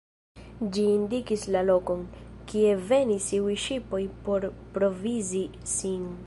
Ĝi indikis la lokon, kie venis iuj ŝipoj por provizi sin.